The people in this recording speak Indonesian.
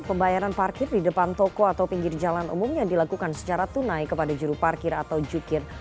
pembayaran parkir di depan toko atau pinggir jalan umumnya dilakukan secara tunai kepada juru parkir atau jukir